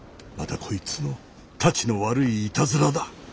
またこいつのたちの悪いいたずらだ。